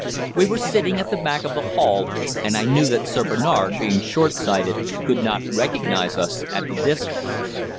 We were sitting at the back of the hall, and I knew that Sir Bernard, being short sighted, could not recognise us at the distance.